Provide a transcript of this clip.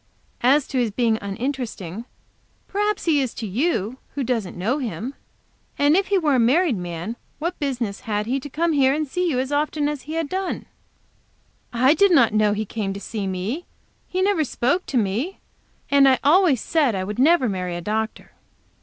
As to his being uninteresting, perhaps he is to you, who don't know him. And if he were a married man, what business had he to come here to see as he has done?" "I did not know he came to see me; he never spoke to me. And I always said I would never marry a doctor."